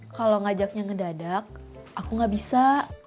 kalau ngajaknya ngedadak aku gak bisa